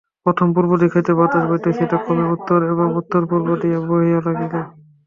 প্রথমে পূর্ব দিক হইতে বাতাস বহিতেছিল, ক্রমে উত্তর এবং উত্তরপূর্ব দিয়া বহিতে লাগিল।